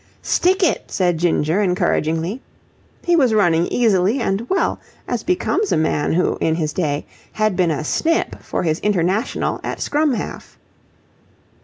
"Stick it!" said Ginger, encouragingly. He was running easily and well, as becomes a man who, in his day, had been a snip for his international at scrum half.